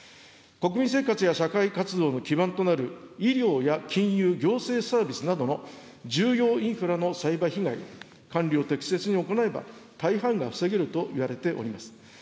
国民生活や社会活動の基盤となる医療や金融、行政サービスなどの重要インフラのサイバー被害は、管理を適切に行えば大半が防げるといわれております。